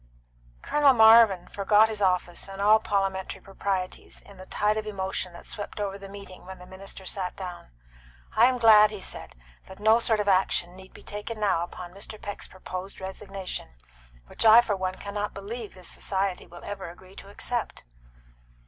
Colonel Marvin forgot his office and all parliamentary proprieties in the tide of emotion that swept over the meeting when the minister sat down. "I am glad," he said, "that no sort of action need be taken now upon Mr. Peck's proposed resignation, which I for one cannot believe this society will ever agree to accept."